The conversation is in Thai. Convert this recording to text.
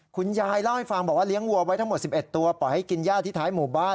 คุณยายเล่าให้ฟังบอกว่าเลี้ยงวัวไว้ทั้งหมด๑๑ตัวปล่อยให้กินย่าที่ท้ายหมู่บ้าน